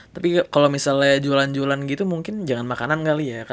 tapi kalau misalnya jualan jualan gitu mungkin jangan makanan kali ya